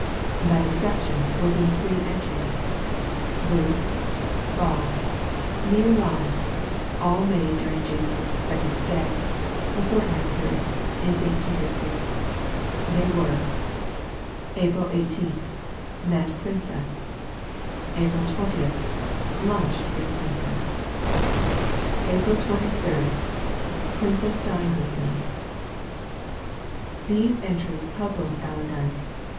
That exception was in three entries: brief, bald, mere lines, all made during James's second stay the fortnight period in St. Petersburg. They were: April 18: Met Princess. April 20: Lunched with Princess. April 23: Princess dined with me. These entries puzzled Allerdyke.